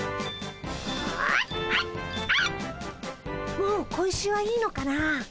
もう小石はいいのかな。